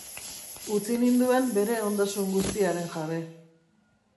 Utzi ninduen bere ondasun guztiaren jabe.